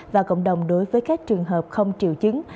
và cộng đồng đối với các trường hợp không triệu chứng